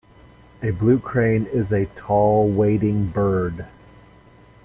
A blue crane is a tall wading bird.